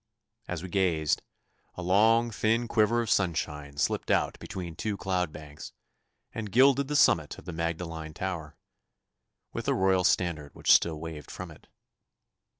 As we gazed, a long thin quiver of sunshine slipped out between two cloud banks and gilded the summit of the Magdalene tower, with the Royal standard which still waved from it.